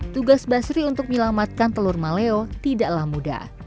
tugas basri untuk menyelamatkan telur maleo tidaklah mudah